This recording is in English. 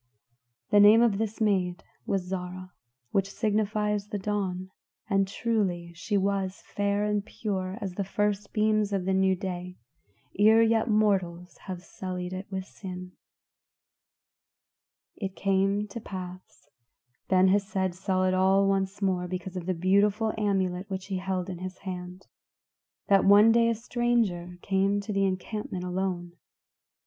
The name of this maid was Zarah, which signifies the Dawn; and truly she was fair and pure as the first beams of the new day, ere yet mortals have sullied it with sin. It came to pass Ben Hesed saw it all once more because of the wonderful amulet which he held in his hand that one day a stranger came to the encampment alone.